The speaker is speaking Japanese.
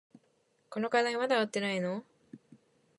この課題まだ終わってないの？